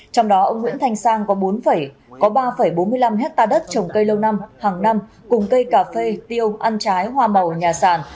trong đó ông nguyễn thanh sang có ba bốn mươi năm hectare đất trồng cây lâu năm hàng năm cùng cây cà phê tiêu ăn trái hoa màu nhà sàn